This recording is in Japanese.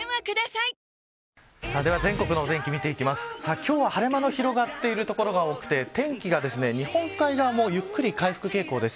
今日は晴れ間の広がってる所が多くて天気が日本海側もゆっくり回復傾向です。